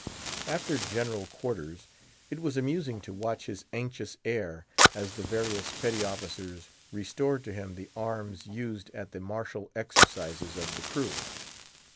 After general quarters, it was amusing to watch his anxious air as the various petty officers restored to him the arms used at the martial exercises of the crew.